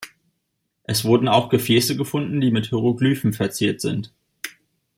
Es wurden auch Gefäße gefunden, die mit Hieroglyphen verziert sind.